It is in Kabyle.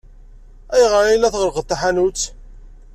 Ayɣer ay la tɣellqeḍ taḥanut?